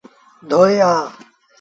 ڌوئي آ۔